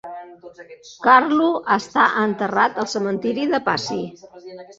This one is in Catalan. Carlu està enterrat al cementiri de Passy.